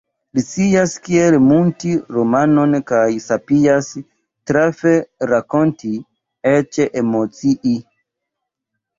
Li scias kiel munti romanon kaj sapias trafe rakonti, eĉ emocii.